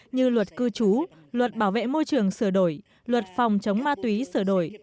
như luật cư trú luật bảo vệ môi trường sửa đổi luật phòng chống ma túy sửa đổi